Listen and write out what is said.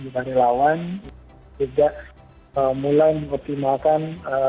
juga mulai mengoptimalkan